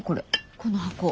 この箱。